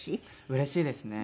うれしいですね。